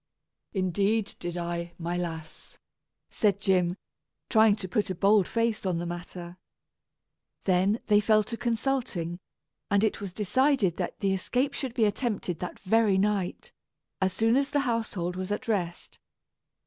"Indeed, did I, my lass," said Jim, trying to put a bold face on the matter. Then, they fell to consulting, and it was decided that the escape should be attempted that very night, as soon as the household was at rest.